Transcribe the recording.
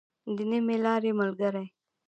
د نيمې لارې ملګری.